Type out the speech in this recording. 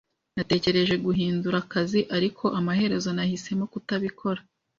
Natekereje guhindura akazi, ariko amaherezo nahisemo kutabikora.